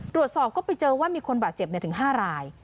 ตรวจสอบก็ไปเจอว่ามีคนบาดเจ็บถึง๕ราย